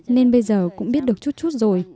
nên bây giờ cũng biết được chút chút rồi